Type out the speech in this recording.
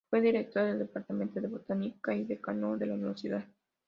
Fue director del Departamento de Botánica y decano de la Universidad.